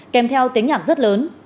kèm theo tính nhạc rất lớn